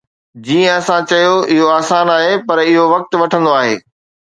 جيئن اسان چيو، اهو آسان آهي، پر اهو وقت وٺندو آهي